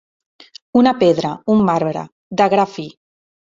Una pedra, un marbre, de gra fi.